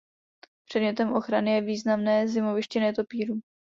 Předmětem ochrany je významné zimoviště netopýrů.